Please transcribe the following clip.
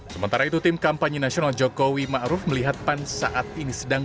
sementara itu tim kampanye nasional jokowi ma'ruf melihat pan saat ini sedang